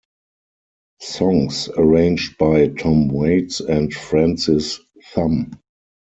Songs arranged by Tom Waits and Francis Thumm.